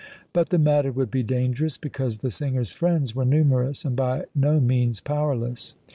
But the matter would be dangerous, because the singer's friends were numerous and by no means powerless.